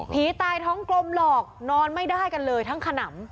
ตายท้องกลมหลอกนอนไม่ได้กันเลยทั้งขนำ